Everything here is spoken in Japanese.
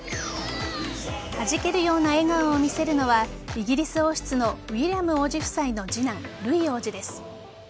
はじけるような笑顔を見せるのはイギリス王室のウィリアム王子夫妻の次男ルイ王子です。